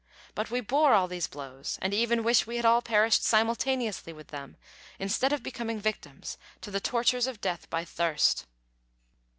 But we bore all these blows, and even wish we had all perished simultaneously with them instead of becoming victims to the tortures of death by thirst."